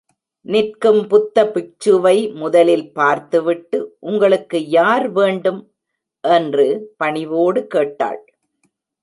நிற்கும் புத்த பிட்சுவை முதலில் பார்த்துவிட்டு, உங்களுக்கு யார் வேண்டும்? என்று பணிவோடு கேட்டாள்.